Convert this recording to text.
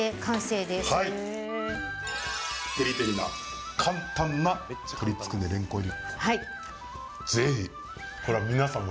照り照りな簡単な鶏つくね、れんこん入り。